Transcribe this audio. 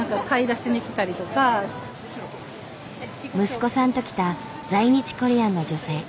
息子さんと来た在日コリアンの女性。